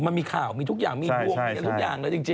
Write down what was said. มันมีข่าวมีทุกอย่างมีทุกอย่าง